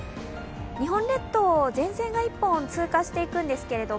日本列島、前線が１本、通過していくんですけど。